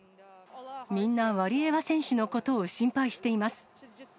みんな、ワリエワ選手のことを心配しています。